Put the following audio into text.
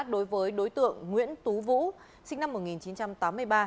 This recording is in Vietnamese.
đối với đối tượng nguyễn tú vũ sinh năm một nghìn chín trăm tám mươi ba